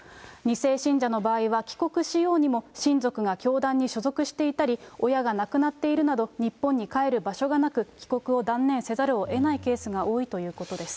２世信者の場合は、帰国しようにも親族が教団に所属していたり、親が亡くなっているなど、日本に帰る場所がなく、帰国を断念せざるをえないケースが多いということです。